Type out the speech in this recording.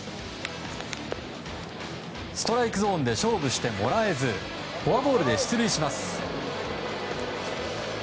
ストライクゾーンで勝負してもらえずフォアボールで出塁します。